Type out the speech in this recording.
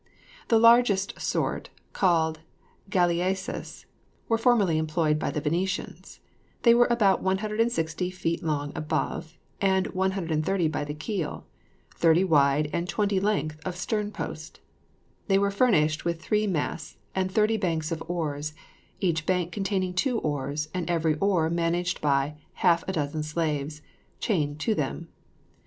The largest sort, called galleasses, were formerly employed by the Venetians. They were about 160 feet long above, and 130 by the keel, 30 wide, and 20 length of stern post. They were furnished with three masts and thirty banks of oars, each bank containing two oars, and every oar managed by half a dozen slaves, chained to them.